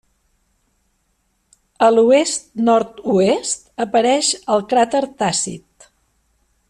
A l'oest-nord-oest apareix el cràter Tàcit.